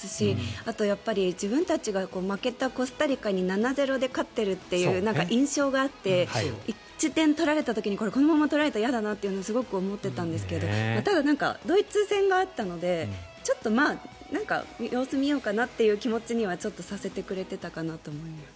あと自分たちが負けたコスタリカに７対０で勝っているという印象があって１点取られた時にこのまま取られたら嫌だなって思ってたんですがただ、ドイツ戦があったのでちょっと様子を見ようかなっていう気持ちにはさせてくれていたかなと思います。